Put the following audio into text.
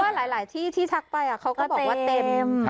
เพราะว่าหลายที่ทักไปเขาก็บอกว่าเต็ม